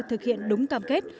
thực hiện đúng cam kết